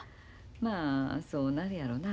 まあそうなるやろな。